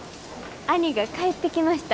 兄が帰ってきました。